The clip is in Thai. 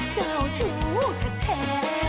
เจ้าชู้ค่ะแท้